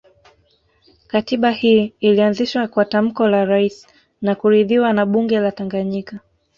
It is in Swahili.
Katiba hii ilianzishwa kwa tamko la Rais na kuridhiwa na bunge la Tanganyika